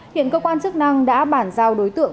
hiện cơ quan chức năng đã bản giao đối tượng